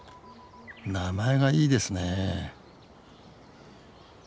名前がいいですね